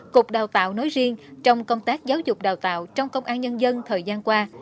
cục đào tạo nói riêng trong công tác giáo dục đào tạo trong công an nhân dân thời gian qua